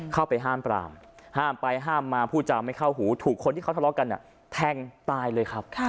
เข้าไปห้ามปรามห้ามไปห้ามมาพูดจาไม่เข้าหูถูกคนที่เขาทะเลาะกันแทงตายเลยครับ